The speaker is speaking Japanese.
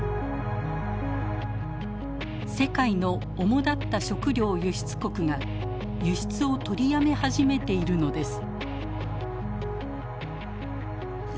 世界のおもだった食料輸出国が輸出をとりやめ始めているのです。